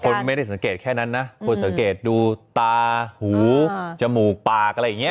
คนไม่ได้สังเกตแค่นั้นนะคนสังเกตดูตาหูจมูกปากอะไรอย่างนี้